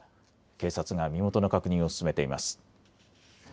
警察が身元の確認を進めています。